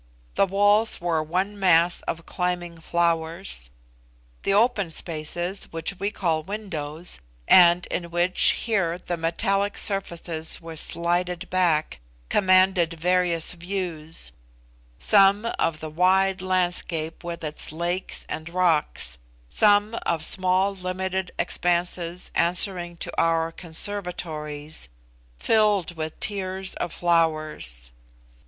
The walls were one mass of climbing flowers. The open spaces, which we call windows, and in which, here, the metallic surfaces were slided back, commanded various views; some, of the wide landscape with its lakes and rocks; some, of small limited expanses answering to our conservatories, filled with tiers of flowers.